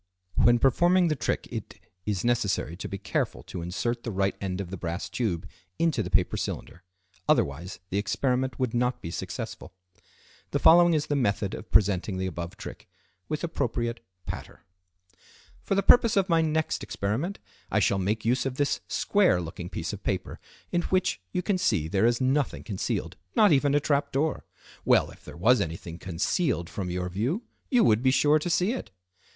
When performing the trick it, is necessary to be careful to insert the right end of the brass tube into the paper cylinder, otherwise the experiment would not be successful. The following is the method of presenting the above trick, with appropriate "patter": "For the purpose of my next experiment I shall make use of this square looking piece of paper, in which you can see there is nothing concealed, not even a trap door. Well, if there was anything concealed from your view, you would be sure to see it."